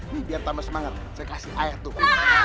nih biar tambah semangat saya kasih ayah tuh